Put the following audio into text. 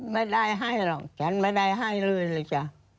ไม่ได้ให้หรอกฉันไม่ได้ให้เลยจ้ะ